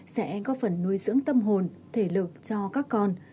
sẽ có phần nuôi dưỡng tâm hồn thể lực cho các con